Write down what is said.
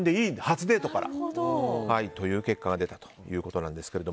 初デートからという結果が出たということですが。